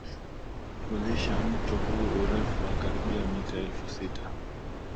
hulisha mto huu urefu wa karibu mita elfusita